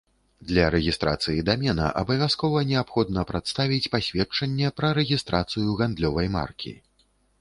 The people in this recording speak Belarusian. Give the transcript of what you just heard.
Для рэгістрацыі дамена абавязкова неабходна прадставіць пасведчанне пра рэгістрацыю гандлёвай маркі.